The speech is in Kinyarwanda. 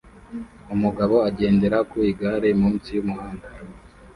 Umugabo agendera ku igare munsi y'umuhanda